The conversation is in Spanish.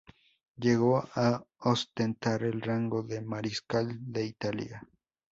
Llegó a ostentar el rango de mariscal de Italia.